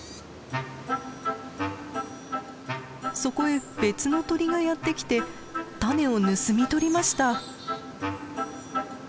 そこへ別の鳥がやって来て種を盗み取りました。